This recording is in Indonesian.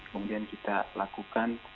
kemudian kita lakukan